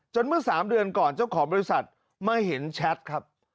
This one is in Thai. เมื่อ๓เดือนก่อนเจ้าของบริษัทมาเห็นแชทครับ